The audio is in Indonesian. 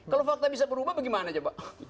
kalau fakta bisa berubah bagaimana coba